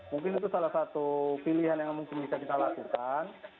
mungkin itu salah satu pilihan yang mungkin bisa kita lakukan